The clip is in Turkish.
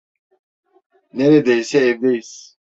Neredeyse evdeyiz.